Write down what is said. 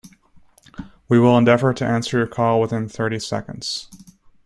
We will endeavour to answer your call within thirty seconds.